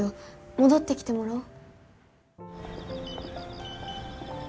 戻ってきてもらおう。